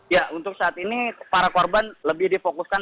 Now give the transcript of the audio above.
ya untuk saat ini para korban lebih difokuskan